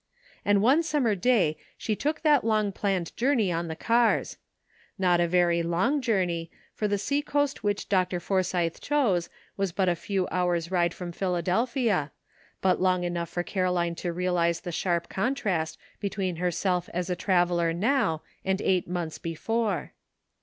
And one summer day she took that long planned journey on the cars. Not a very long journey, for the seacoast which Dr. Forsythe chose was but a few hours' ride from Philadelphia, but long enough for Caroline to realize the sharp contrast between herself as a traveler now, and eight months before.